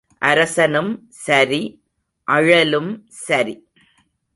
அரசனும் சரி அழலும் சரி.